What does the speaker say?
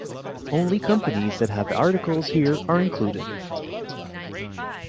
Only companies that have articles here are included.